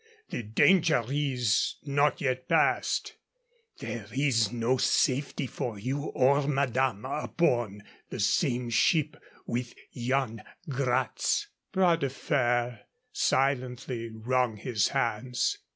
The danger is not yet past. There is no safety for you or madame upon the same ship with Yan Gratz." Bras de Fer silently wrung his hands.